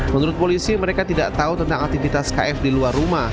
menurut polisi mereka tidak tahu tentang aktivitas kf di luar rumah